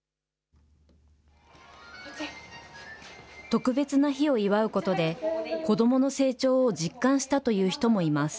特別な日を祝うことで、子どもの成長を実感したという人もいます。